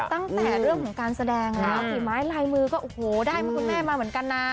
ตั้งแต่เรื่องของการแสดงแล้วฝีไม้ลายมือก็โอ้โหได้มาคุณแม่มาเหมือนกันนะ